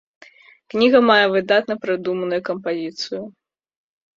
Кніга мае выдатна прадуманую кампазіцыю.